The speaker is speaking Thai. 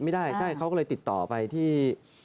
ไม่ได้ใช่เขาก็เลยติดต่อไปที่